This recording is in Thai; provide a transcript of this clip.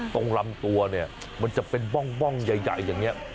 ตรงลำตัวเนี่ยมันจะเป็นบ้องใหญ่อย่างนี้